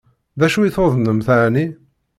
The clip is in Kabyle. D acu i tuḍnemt ɛni?